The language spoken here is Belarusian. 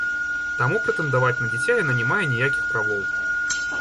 Таму прэтэндаваць на дзіця яна не мае ніякіх правоў.